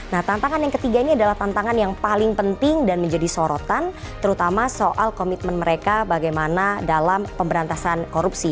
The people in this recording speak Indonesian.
nah tantangan yang ketiga ini adalah tantangan yang paling penting dan menjadi sorotan terutama soal komitmen mereka bagaimana dalam pemberantasan korupsi